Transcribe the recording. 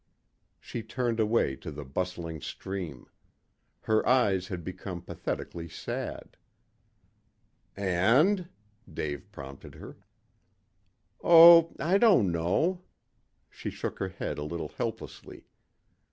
She turned away to the bustling stream. Her eyes had become pathetically sad. "And " Dave prompted her. "Oh, I don't know." She shook her head a little helplessly.